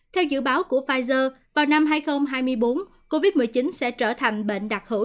theo dự báo của pfizer vào năm hai nghìn hai mươi bốn covid một mươi chín sẽ trở thành bệnh đặc hữu